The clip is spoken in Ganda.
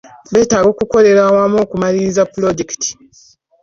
Betaaga okukolera awamu okumaliriza pulojekiti.